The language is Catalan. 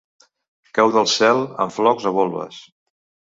Cau del cel en flocs o volves.